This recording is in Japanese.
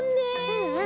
うんうん。